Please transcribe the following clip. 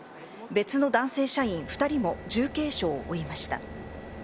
別の男性社員２人も重軽傷を負いました。